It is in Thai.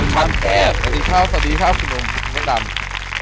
สวัสดีค่ะสวัสดีค่ะคุณอ่อนผู้ชะมัดตรัง